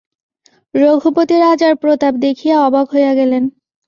রঘুপতি রাজার প্রতাপ দেখিয়া অবাক হইয়া গেলেন।